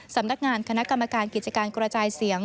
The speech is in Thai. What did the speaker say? สำนักงานคณะกรรมการกิจการกระจายเสียง